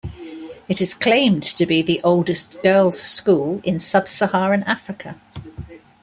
It is claimed to be the oldest girls school in Sub-Saharan Africa.